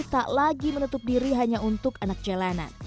tak lagi menutup diri hanya untuk anak jalanan